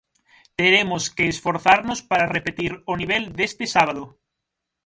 Teremos que esforzarnos para repetir o nivel deste sábado.